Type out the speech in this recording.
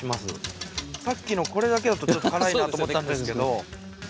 さっきのこれだけだとちょっと辛いなと思ったんですけど。